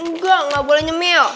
enggak gak boleh nyemil